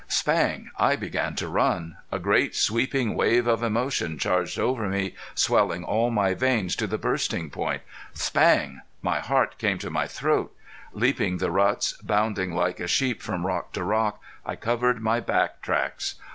Spang!... I began to run. A great sweeping wave of emotion charged over me, swelling all my veins to the bursting point. Spang! My heart came to my throat. Leaping the ruts, bounding like a sheep from rock to rock, I covered my back tracks.